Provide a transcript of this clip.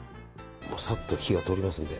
さっと火が通りますので。